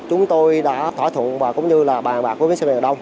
chúng tôi đã thỏa thuận và cũng như là bàn bạc với bến xe miền đông